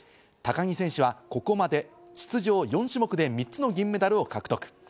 高木選手はここまで出場４種目で３つの銀メダルを獲得。